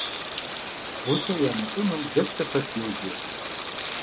Гъусэ ямыщӀынум блэкӀрэ пэт йоджэ.